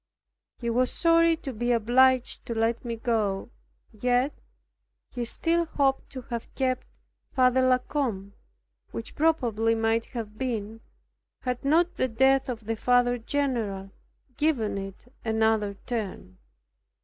He was sorry to be obliged to let me go. Yet he still hoped to have kept Father La Combe, which probably might have been, had not the death of the Father general given it another turn.